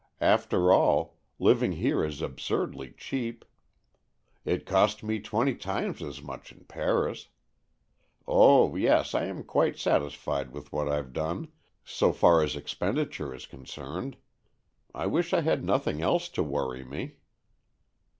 After all, living here is absurdly cheap. It cost me twenty times as much in Paris. Oh yes, I am quite satisfied with what Fve done, so far as expenditure is con cerned. I wish I had nothing else to worry me.